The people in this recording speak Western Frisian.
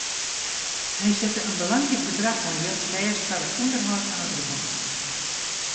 Hy sette in belangryk bedrach oan jild fêst foar it ûnderhâld fan it gebou.